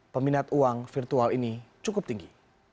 peminat uang virtual ini cukup tinggi